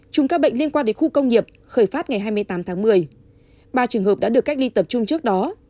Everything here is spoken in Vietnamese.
chùm các bệnh liên quan đến khu công nghiệp khởi phát ngày hai mươi tám tháng một mươi ba trường hợp đã được cách ly tập trung trước đó